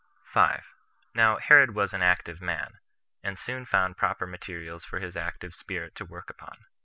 5. Now Herod was an active man, and soon found proper materials for his active spirit to work upon.